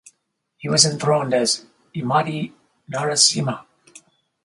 He was enthroned as Immadi Narasimha.